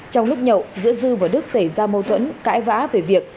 trong lúc nhậu giữa dư và đức xảy ra mâu thuẫn cãi vã về việc